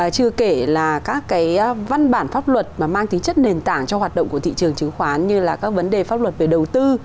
chứ kể là các văn bản pháp luật mà mang tính chất nền tảng cho hoạt động của thị trường chứng khoán như là các vấn đề pháp luật về đầu tư